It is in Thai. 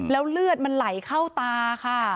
แล้วเลือดมันไหลเข้าตาค่ะ